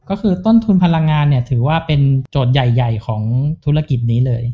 ก็คือต้นทุนพลังงานเนี่ยถือว่าเป็นโจทย์ใหญ่ของธุรกิจนี้เลย